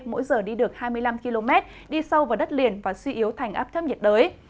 mỗi giờ đi được hai mươi năm km đi sâu vào đất liền và suy yếu thành áp thấp nhiệt đới